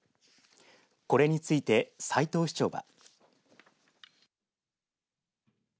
これについて斉藤市長は。